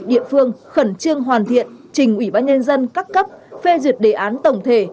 địa phương khẩn trương hoàn thiện trình ủy ban nhân dân các cấp phê duyệt đề án tổng thể